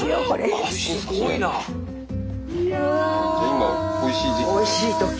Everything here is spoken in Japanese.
今おいしい時期？